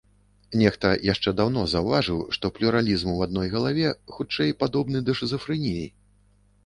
Нехта яшчэ даўно заўважыў, што плюралізм у адной галаве, хутчэй, падобны да шызафрэніі.